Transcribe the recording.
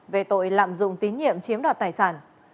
về tội lạm dụng tín nhiệm chiếm đoạt tài sản